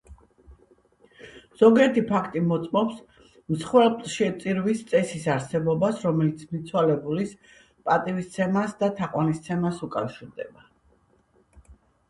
ზოგიერთი ფაქტი მოწმობს მსხვერპლთშეწირვის წესის არსებობას, რომელიც მიცვალებულის პატივისცემას და თაყვანისცემას უკავშირდება.